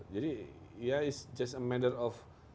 jadi ya it's just a matter of